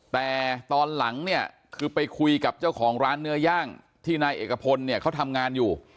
แต่ตอนหลังเนี่ยคือไปคุยกับเจ้าของร้านเนื้อย่างที่นายเอกพลเนี่ยเขาทำงานอยู่